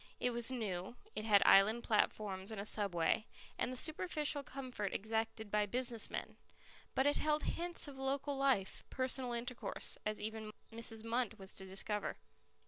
It was new, it had island platforms and a subway, and the superficial comfort exacted by business men. But it held hints of local life, personal intercourse, as even Mrs. Munt was to discover.